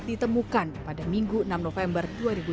ditemukan pada minggu enam november dua ribu dua puluh